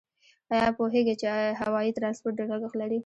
آیا پوهیږئ چې هوایي ترانسپورت ډېر لګښت لري؟